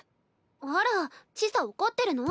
あら千紗怒ってるの？